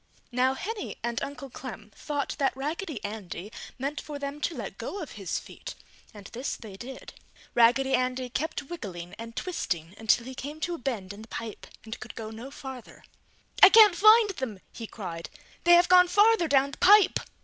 Now Henny and Uncle Clem thought that Raggedy Andy meant for them to let go of his feet and this they did. Raggedy Andy kept wiggling and twisting until he came to a bend in the pipe and could go no farther. "I can't find them!" he cried. "They have gone farther down the pipe!